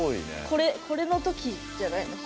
これこれの時じゃないの？